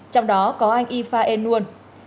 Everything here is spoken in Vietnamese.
trong đó có anh y pha en nguyen